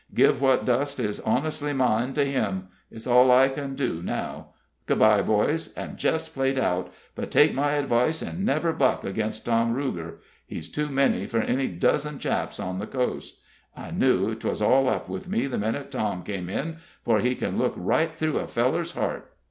Give what dust is honestly mine to him. It's all I can do now. Good by, boys. I'm jest played out; but take my advice and never buck against Tom Ruger. He's too many for any dozen chaps on the coast. I knew 'twas all up with me the minute Tom came in, for he can look right through a feller's heart.